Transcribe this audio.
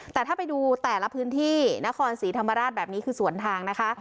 แต่ถ้าไปดูแต่ละพื้นที่นครศรีธรรมราชแบบนี้คือสวนทางนะคะ